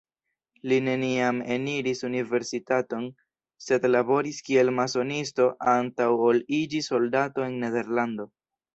Li neniam eniris universitaton, sed laboris kiel masonisto antaŭ ol iĝi soldato en Nederlando.